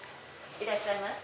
いらっしゃいませ。